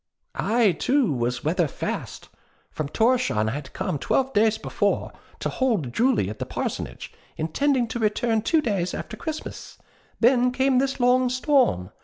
I, too, was 'weather fast.' From Thorshavn I had come, twelve days before, to 'hold Jule' at the parsonage, intending to return two days after Christmas. Then came this long storm.